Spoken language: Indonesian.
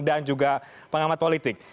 dan juga pengamat politik